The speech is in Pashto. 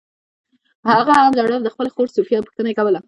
هغه هم ژړل او د خپلې خور سوفیا پوښتنه یې کوله